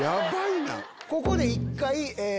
ここで一回。